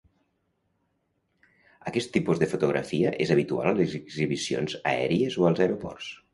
Aquest tipus de fotografia és habitual a les exhibicions aèries o als aeroports.